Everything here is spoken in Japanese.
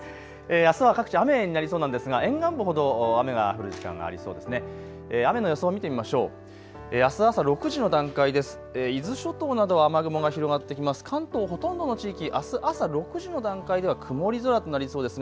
あすは各地、雨になりそうなんですが沿岸部ほど雨が降る時間がありそうですね。